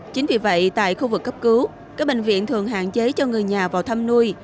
chính vì vậy tại khu vực cấp cứu các bệnh viện thường hạn chế cho người nhà vào thăm nuôi